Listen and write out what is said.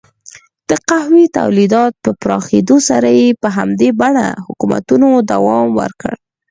د قهوې تولید په پراخېدو سره یې په همدې بڼه حکومتونو دوام وکړ.